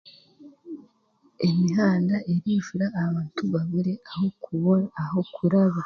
Emyanya eriijura abantu babure ah'okubu ah'okuraba